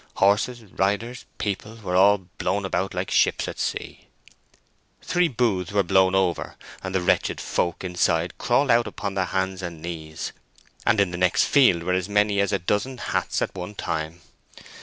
Horses, riders, people, were all blown about like ships at sea. Three booths were blown over, and the wretched folk inside crawled out upon their hands and knees; and in the next field were as many as a dozen hats at one time.